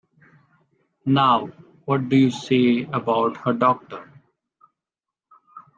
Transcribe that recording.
Now, what do you say about her doctor?